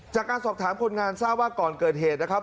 จากการสอบถามคนงานทราบว่าก่อนเกิดเหตุนะครับ